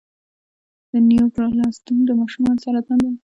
د نیوروبلاسټوما د ماشومانو سرطان دی.